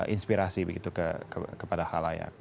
inspirasi begitu kepada hal layak